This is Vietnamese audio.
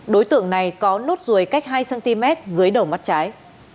đối tượng này có nốt ruồi cách hai cm dưới đầu mắt trái